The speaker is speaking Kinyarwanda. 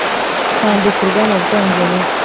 cyandikirwa mu bwongereza,